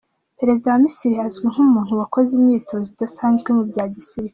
Perezida wa Misiri azwi nk’umuntu wakoze imyitozo idasanzwe mu bya gisirikare.